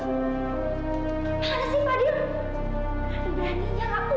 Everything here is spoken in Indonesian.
gimana sih fadil